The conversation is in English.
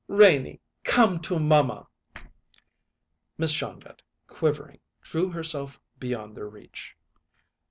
"Renie, come to mamma!" Miss Shongut, quivering, drew herself beyond their reach.